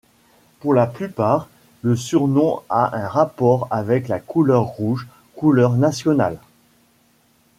Pour la plupart, le surnom a un rapport avec la couleur rouge, couleur nationale.